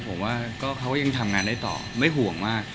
ผมว่าเขาก็ยังทำงานได้ต่อไม่ห่วงมาก